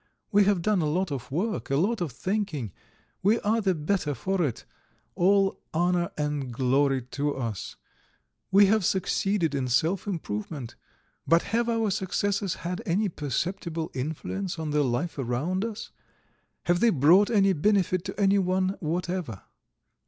We have done a lot of work, a lot of thinking; we are the better for it all honour and glory to us we have succeeded in self improvement; but have our successes had any perceptible influence on the life around us, have they brought any benefit to anyone whatever?